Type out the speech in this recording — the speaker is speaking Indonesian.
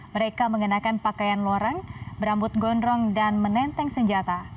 mereka mengenakan pakaian lorang berambut gondrong dan menenteng senjata